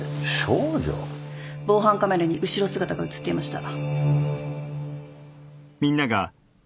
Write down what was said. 防犯カメラに後ろ姿が写っていました。